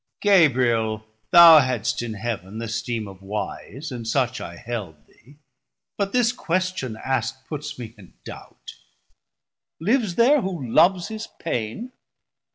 Gabriel, thou hadst in Heav'n th' esteem of wise, And such I held thee; but this question askt Puts me in doubt. Lives ther who loves his pain?